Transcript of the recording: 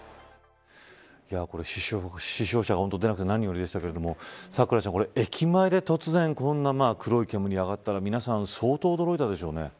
これ死傷者が出なくて本当に何よりでしたけれども咲楽ちゃん、駅前で突然こんな黒い煙が上がったら皆さん、相当驚いたでしょうね。